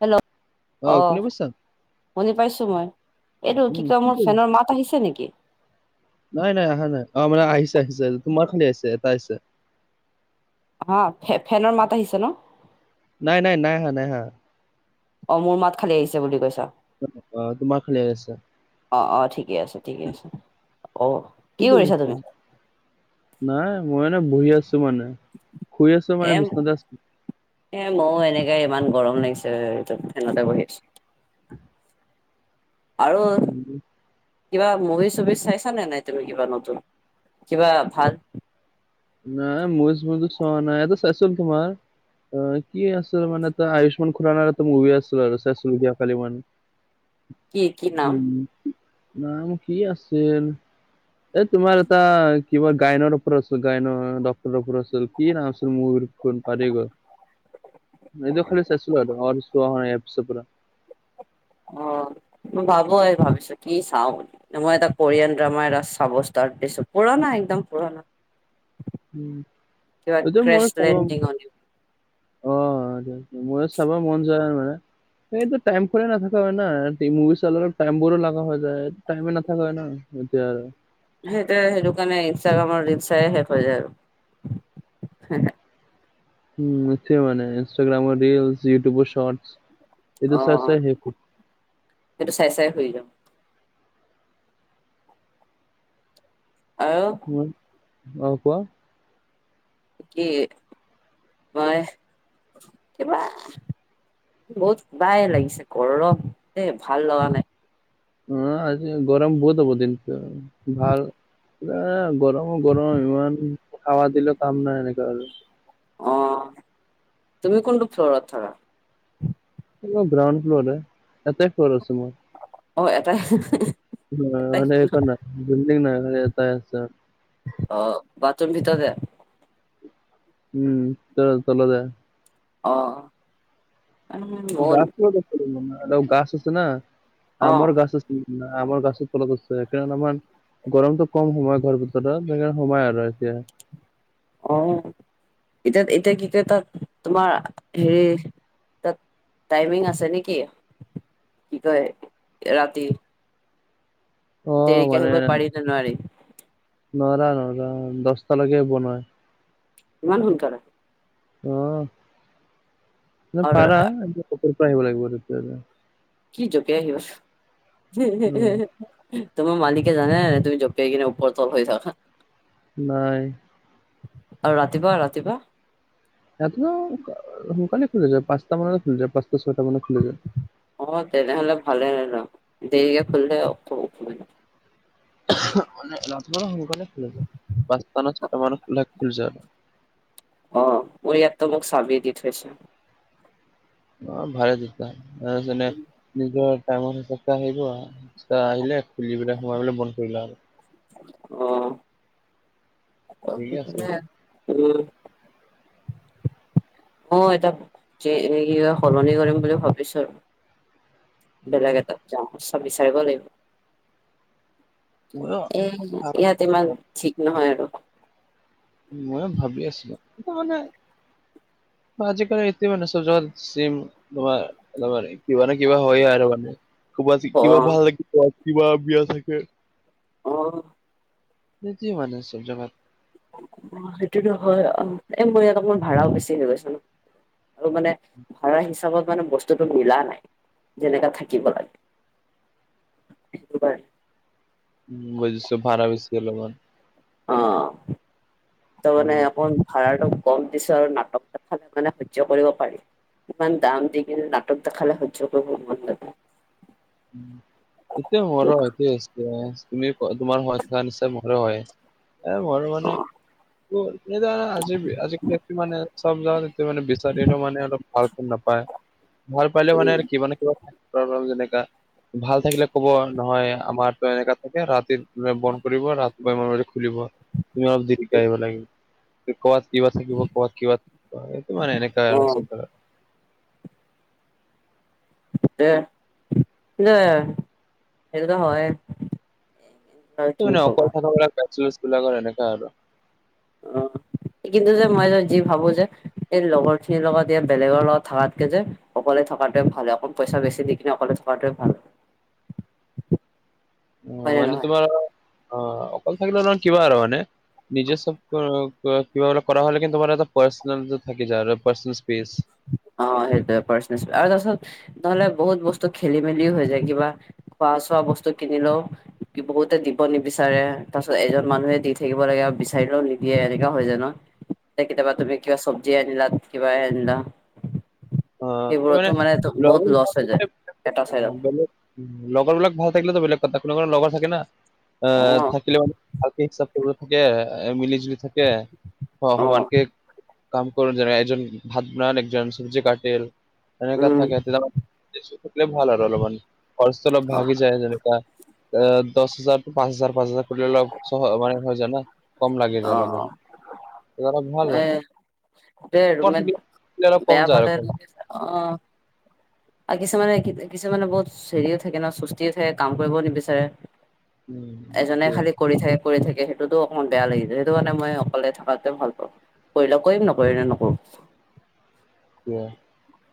Hello অ শুনি পাইছা? শুনি পাইছো মই এইটো কি উম কয় মোৰ কৰি ফেনৰ মাত আহিছে নেকি? নাই নাই অহা নাই, অ মানে আহিছে আহিছে তোমাৰ খালি আহিছে এটা আহিছে। অ ফে ফেনৰ মাত আহিছে ন? নাই নাই, নাই হা নাই হা। অ মোৰ মাত খালী আহিছে বুলি কৈছা? অ তোমাৰ খালি আহি আছে। অ অ ঠিকে আছে ঠিকে আছে, অ কি কৰি কৰিছা আছা? তুমি? নাই মই মানে বহি আছো মানে, শুই আছো মানে এ বিচনাতে আছ এ ময়ো এনেকে ইমান গৰম লাগিছে [inaudible] ফেনতে বহি আছো। উ [inaudible] আৰু কিবা মুভি-চুভি চাইছানে নাই তুমি কিবা নতুন? কিবা ভাল নাই, মুভি - চূভিতো চোৱা নাই আগতে চাইচিলো তোমাৰ অ কি আছিল মানে এটা আয়ুষ্মান খুৰানাৰ এটা মুভি আছিল আৰু ছেশধিয়া খালি ৱান। উ [inaudible] উম নাম কি আছিল? এ তোমাৰ এটা কিবা গায়নৰ পৰচ গাইন ডটৰাপ [inaudible] আছিল, কি নাম আছিল মোৰ খোন পাহৰি গল। এইটো খালি চেচো আৰু [inaudible] এপছ পুৰা। অ, মই ভাবো এই ভাবিছো কি চাও? মই এটা কোৰিয়ান ড্ৰামাৰ এটা চাব ষ্টাৰ্ত দিছো, পুৰণা একদম পুৰণা। উম কিবা এইটো মনত খাব [inaudible] [unintelligible] ক্ৰেছলেণ্ডিং অন ইউ অ, দ ময় চাব মন যায় মানে সেইটো টাইম পুৰা নাথাকা হয় না, টি মুভি চালৰে টাইমবোৰো লাগা হৈ যায়। টাইমে নাথাকে হয় ন এতিয়া আৰু। সেইটোই সেইটো কাৰণে ইনষ্টাগ্ৰামৰ ৰিল চাই শেষ হৈ যায় আৰু। উম এইটোৱে মানে ইনষ্টাগ্ৰামৰ ৰিলচ, ইউটিউবৰ শৰ্টচ আৰু অ এইটো চাই চাই শেষ হৈ সেইটো চাই - চাই হৈ যাওঁ। আও [inaudible] অ কোৱা? কি? মই কিবা বহুত বাই লাগিছে গৰম, এ ভাল লগা নাই। অ আজি গৰম বহুত হ'ব দিনটো ভাল এ গৰমো গৰম ইমান খাৱা দিলে কাম নাই এনেকা আৰু। অহ, তুমি কোনটো ফ্ল'ৰত থাকা? মোৰ গ্ৰাউণ্ড ফ্ল'ৰে, এটাই ফ্ল'ৰ আছে মোৰ। অ এটাই হিহ হিহ অ নে সেইখন [inaudible] বিলডিং নাই মানে এটা আছে। অ, বাথৰুম ভিতৰতে? উম, ভিতৰত তলতে। অ। মন অলপ গাছ আছে না, অ আমাৰ গাছ আছ উম, আমৰ গাছৰ তলত আছোঁ এই কাৰণ আমাৰ গৰমটো কম সময় ঘৰ ভিতৰত সেইকাৰণে সোমায় আৰু এতিয়া। অ, এতিয়া এতিয়া কি কয় তাত তোমাৰ হেৰি তাত টাইমিং আছে নেকি? কি কয় ৰাতি? অ দেৰিকে মানে আহিব পাৰি নে নোৱাৰি নৰা নৰা দছটালৈকে বনাই। ইমান শুনকালে। অ মানে আৰু পাৰা [unintelligible] আহিব লাগিব তেতিয়া হ'লে কি যোগে আহিব অ [unintelligible] তোমাৰ মালিকে জানে তুমি জপ পাই কিনে ওপৰ তল হৈ থাকা। নাই। আৰু ৰাতিপুৱা ৰাতিপুৱা এট নৌ কা সোনকালে খুলে গৈ পাঁচটা মানত খুলি যায় পাঁচটা ছয়টা মানত খুলি যায়। অ তেনেহ'লে ভালে তেন দেৰিকে খুলথৈয় খ অসুবিধা মানে ৰাতিপুৱা শুনকালে খুলে, পাঁচটা না ছয়টা মানত খুলে [unintelligible] অ মোৰ ইয়াত তলক মোক চাবি দি থৈছে। অ ভালে জিকা অ জোনে নিজৰ টাইমৰ হিচাপ কৰি আহিব আ চোৱা আহিলে খুলি পেলাই সোমাই পেলে বন্ধ কৰিলা আৰু। অ। ঠিক আছে। উম অ এটা চে এইয়া সলনি কৰিম বুলি ভাবিছৰ উম বেলেগ এটা যাম চ বিচাৰিব লাগিব। [unintelligible] এ ইয়াতে ইমান ঠিক নহয় আৰু। ময়ে ভাবি আছিলো এইটো মানে বা আজিকালি [unintelligible] য'ত চিম বাবাৰ অলপমান কিবা নহয় কিবা হয় আৰু মানে। [unintelligible] অ কিবা ভাল লাগিব কিবা বিয়া থাকে অ। দেতি মানে চেব জাগত অ সেইটোতো হয় অ, এ মৰ অকমান ভাড়াও বেছি হৈ গৈছে ন। আৰু মানে ভাড়া হিচাপত মানে বস্তুটো মিলা নাই। যেনেকা থাকিব লাগে, সেইটো কাৰণে। উ বুজিছো ভাড়া বেছিকে লয় অন। অ ত মানে উম আপোন ভাড়াটো কম দিছৰ নাটক দেখালে মানে সহ্য কৰিব পাৰি। ইমান দাম দিকিনে নাটক দেখালে সহ্য কৰিব মন নাযায়। [unintelligible] [unintelligible] তুমি ক তোমাৰ সহায়ত থকা নিচা মৰ হয় এ মৰ অ মানে অ কেদাৰা আজি আজিকালি তোমাৰ মানে [unintelligible] মানে বিচাৰিলেও মানে অলপ ভাল ফোন নাপায় ভাল পালে মানে উম কিবা না কিবা থাক তৰ তৰ যেনেকা ভাল থাকিলে কব নহয় আমাৰতো এনেকা থাকে ৰাতিৰ দুটাই বন্ধ কৰিব ৰাতিপুৱা [unintelligible] খুলিব তুমি অলপ দেৰিকে আহিব লাগিব। কি ক'ত কিবা থাকিব ক'ত কিবাত এইটো মানে মানে এনেকা অ আৰু [unintelligible] তে সিতে সেইটোত হয়। আৰু কি কবা [unintelligible] অ। কিন্তু যে মই যে যি ভাবো যে এই লগৰ খিনিৰ লগত ই বেলেগৰ লগত থাকাতকে যে অকলে থকাটোৱে ভাল অকণ পইচা বেছি দি কিনে অকলে থকাটোৱে ভাল। [inaudible] অ', মানে নহয় তোমাৰ অ', অকল থাকিলে ন কিবা আৰু মানে নিজে চব কিবা কৰা হ'লে কিন্ত তোমাৰ এটা পাৰ্চনেল থাকি যাই আৰু পাৰ্চনেল চেস্প। অ', সেইটো পাৰ্চনেল চেস্প আৰু তাৰিছত নহলে বহুত বস্তু খেলি মেলিও হৈ যায় কিবা খোৱা চোৱা বস্তু কিনিলেও বহুতে দিব নিবিচাৰে তাৰ পিছত এজন মানুহে দি থাকিব লাগে আৰু বিচাৰিলেও নিদিয়ে এনেকা হয় যায় ন। কেতিয়াবা তুমি কিবা চব্জি আনিলা কিবা এ আনিলা অ সেইবোৰতো মানেলে মানে বহুত লছ হৈ যায় [unintelligible] এটা উ চাইডত লগৰ বিবলাক ভাল থাকিলেতো বেলেগ কথা কোনো কোনো লগৰ থাকে না অ আহ থাকিলে মানে ভালকে হিচাপ কৰিব থাকে মিলি জুলি থাকে অ সমান কে কাম কৰ যে একজন ভাত বনান একজন চব্জি কাটেল তেনেকুৱা উম থাকেত থাকিল ভাল আৰু অলপমান খৰচটো অলপ অ ভাগি যায় যেনেকুৱা দহ হাজাৰ পাঁচ হাজাৰ পাঁচ হাজাৰ কৰিলে অলপহ মানে হৈ যায়া কম লাগে অ যায় অলপ মান। এ দে লগৰ থাকিলে ৰুমট থাকিলে অলপ কম বেয়া যায় আৰু পালে খৰচ অ' আৰু কিছুমানে কিছুমানে বহুত হেৰিও থাকে ন সুস্থ্তিও থাকে কাম কৰিব নিবিচাৰে উম, এজনে সেইটোৱে খালি কৰি থাকে। কৰি থাকে সেইটোতো অকণমান বেয়া লাগিছে সেইটো কাৰণে মই অকলে থকাতো ভাল পাওঁ। কৰিলে কৰিম নকৰি নে নকৰোঁ। এ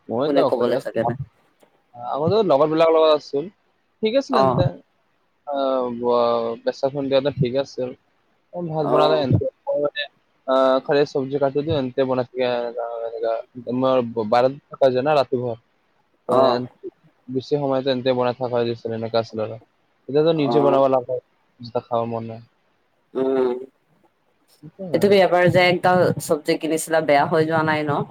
মইতো কোনে অকলে কবলৈ চাগে আছোঁ। না আগতে লগৰ বিলাক লগত আছিল ঠিক আছিল অ তে আহ বাচন কিয় ঠিক আছে ভাত অ বনালে [unintelligible] অ', খালি চব্জি কাটো সেন্টে বনাই থাকে এনেকুৱা তোমাৰ বাৰিন থাককা যায় ন ৰাতিপুৱা অ বেছি সময়তো এন্ততে বনাই থাক হৈ দিছিলে এতিয়া তো অ নিজে বনাব লাগা খাব মন নাই। উম এইটো বেয়া পাৰ যায় টাও চব্জি কিনিছিলা বেয়া হৈ যোৱা নাই ন।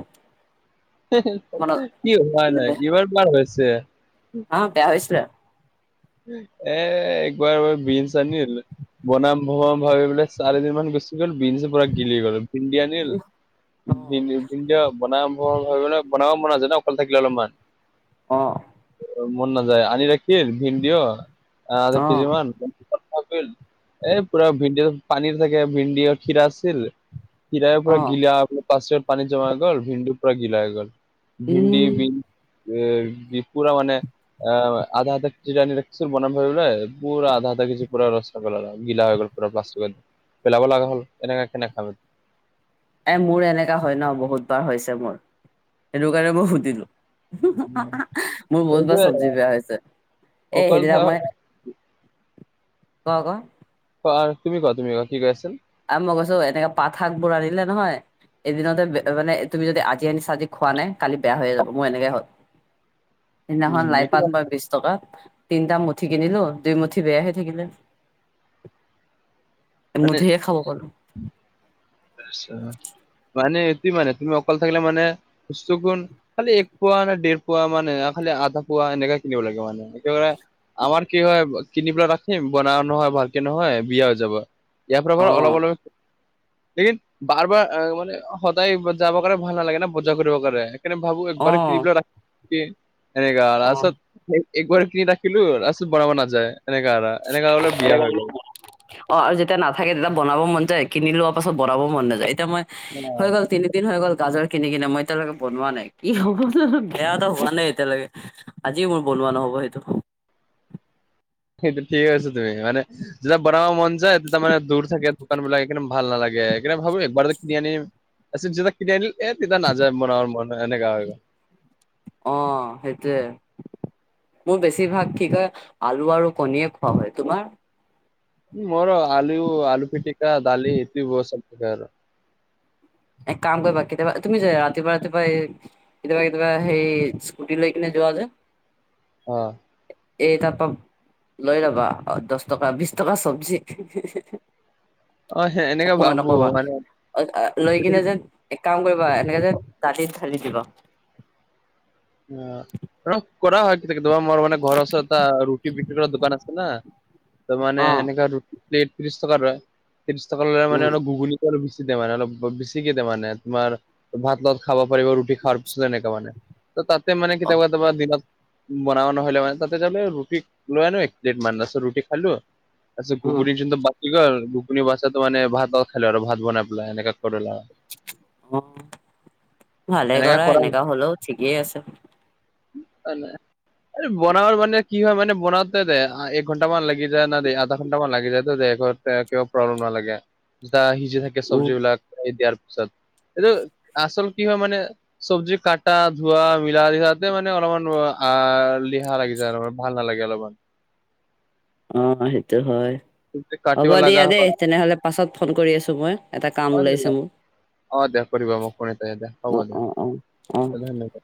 কি মনত হোৱা নাই এইবাৰ বাৰ হৈছে অ', বেয়া হৈছে। এ একবাৰ বিহু [unintelligible] বনাম বনাম ভাবি পোলে চাৰিদিন মান গুচি গ'ল ভিন্দি পুৰা গিলি গল ভিন্ধি আনিল ভিয়া বনাম ভাবে বনাব মন যাই ন অকলে থাকিলে অলপমান অ'। মন নাযায় আনি ৰাখিম ভিণ্ডিও আধা অ কেজি মান এই পুৰা ভিডি পানীৰ থাকে ভিডি আৰু ক্ষীৰা আছিল। খিৰাই পুৰা অ গিলা পাঁচ পানী জমাই গল ভিনডু পুৰা গিলা হৈ গ'ল। ভিণ্ডি উম বিন পূৰা মানে আ আধা আধা ৰা বনাম ভাবলে পুৰা আধা আধা কেজি পুৰা ৰস গিললা হৈ গল প প্লাষ্টিক পেলাব লগা হ'ল এনেকে কেনে খাব এ মোৰ এনেকা হয় ন বহুত বাৰ হৈছে মোৰ সেইটো কাৰণে মই সুধিলোঁ। মোৰ বহুত বাৰ এইটোৱে চব্জি বেয়া হৈছে এ অকল সেইদিনা থকা মই ক আকৌ অ', তুমি ক তুমি ক কি কয় আছ। আৰু মই কৈছো এনেকাে পাঠ শাক বোৰ আনিলে নহয় এদিনতে মানে তুমি যদি আজি আনিছা আজি খোৱা নাই কালি বেয়া হৈয়ে যাব মোৰ এনেকেৱা হ'ল। [inaudible] সেইদিনাখন উম লাই এইটো পাত বিশ টকা তিনটা মুঠি কিনিলো দুই মুঠি বেয়া হৈ থাকিলে। মানে এমুঠিহে খাব পালোঁ। মানে এইটো মানে তুমি অকল থাকিলে মানে- [unintelligible] গুণ- খালি এক পোৱা না ডেৰ পোৱা মানে খালি আধা পুৱা এনেকে কিনিব লাগে মানে, এইটো মানে - আমাৰ কি হয় কিনি পেলাই ৰাখিম বনাও নহয় ভালকে নহয় বেয়া হৈ যাব। ইয়াৰ পৰা অ পৰা অলপ অলপ- বাৰ বাৰ মানে সদায় যাব কাৰে ভাল নালাগে না বজাৰ কৰিবৰ কাৰণে। সেইকাৰণে ভাবো অ একবাৰে কিনি পেলাই অ [unintelligible] একবাৰ কিনি ৰাখিলো তাৰপিছত বনাব নাযায় এনেকা এৰা এনেকা বোলো বিয়া হৈ গল। অ' আৰু যেতিয়া নাথাকে তেতিয়া বনাব মন যায় কিনি লোৱা পাছত বনাব মন নাযায়, এতিয়া মই হৈ গল তিনিদিন হৈ গ'ল গাজৰ কিনি কিনে মই এতিয়ালৈকে বনোৱা নাই কি হ'ব জানো বেয়াটো হোৱা নাই এতিয়ালৈকে। আজিও মোৰ বনোৱা নহব সেইটো। সেইটো ঠিকেই কৈছা তুমি মানে যেতিয়া বনাব মন যায় তেতিয়া মানে দূৰ থাকে দোকান বিলাক সেইকাৰণে - ভাল নালাগে সেইকাৰণ ভাবো একবাৰেতে কিনি আনিম। কিনি আনিল এ তেতিয়া নাযায় বনাব মন এনেকুৱা হৈ গৈ। অহ' সেইটোৱে মোৰ বেছিভাগ কি কয় আলু আৰু কণীয়ে খোৱা হয়, তোমাৰ? মোৰ আলু আলু পিটিকা ডালি এইটো বহুত চব প্ৰকাৰ [unintelligible] এক কাম কৰিবা কেতিয়াবা তুমি যে ৰাতিপুৱা ৰাতিপুৱাই কেতিয়াবা কেতিয়াবা সেই স্কুটি লৈ কিনে যোৱা যে। অ'। এই তাৰপা লৈ লবা দহ টকা বিশ টকা চবজি। অ' সে এনেকে অকমান ভাবো অকমান। মানে লৈ কিনে যেন এক কাম কৰিবা এনেকে যে কাটি ঢালি দিবা। অ' কৰা হয় কেতিয়া কেতিয়া মোৰ মানে ঘৰৰ ওচৰত এটা ৰুটি বক্ৰী কৰাৰ দোকান আছে না - ত' মানে অ এনেকা ৰুটি প্লেট ত্ৰিশ টকাৰ লয়, ত্ৰিশ টকা লয় মানে উম আৰু ঘুগুনি বেছি দিয়ে মানে অলপ বেছিকে দিয়ে মানে তোমাৰ ভাতৰ লগত খাব পাৰিব [unintelligible] এনেকা মানে, ত' তাতে মানে অ কেতিয়াবা কেতিয়াবা দিনত বনাব নহ'লে মানে তাতে তাৰ মানে ৰুটি লৈ আনো এক প্লেট মান, তাৰপিছত ৰুটি খালো তাৰপিছত উম ঘুগুনী বাছি গল ঘুগুনী বাচাতো মানে ভাতৰ লগত খালো আৰু ভাত বনাই পিলাই এনেকা কৰি লৈ। অহ' ভালেই কৰা এনেকা হ'লেও ঠিকেই আছে। [unintelligible] বনাব মানে কি হয় মানে বনাতে যে এক ঘণ্টামান লাগি যায় ন দে আধা ঘণ্টামান লাগি যায় তো দে কিবা প্ৰব্লেম নালাগে যেতিয়া সিজি থাকে উম চবজি বিলাক দিয়াৰ পিছত এইটো আচল কি হয় মানে চবজি কটা ধোৱা মিলা এইয়াতে মানে অলপমান দিহা লাগি যায় আৰু ভাল নালাগে অলপমান। অ' সেইটো হয়, কিন্তু হ'ব কাটিব লগা দিয়া দেই তেনেহ'লে- পাছত ফোন কৰি আছোঁ মই এটা কাম ওলাইছে হয়, মোৰ। অ' দেয়া কৰিবা মোক [unintelligible] হ'ব অ দে অ অ অ ধন্যবাদ।